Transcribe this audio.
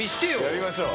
やりましょう。